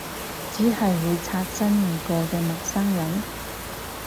只係會擦身而過嘅陌生人？